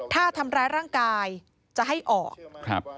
ถ้าทำร้ายร่างกายจะให้ออกครับ